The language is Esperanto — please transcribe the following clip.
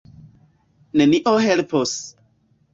Nenio helpos.